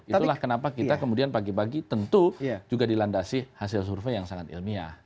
itulah kenapa kita kemudian pagi pagi tentu juga dilandasi hasil survei yang sangat ilmiah